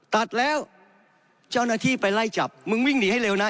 ตัดแล้วเจ้าหน้าที่ไปไล่จับมึงวิ่งหนีให้เร็วนะ